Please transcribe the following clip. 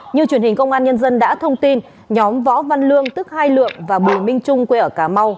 như truyền hình công an nhân dân đã thông tin nhóm võ văn lương tức hai lượng và bùi minh trung quê ở cà mau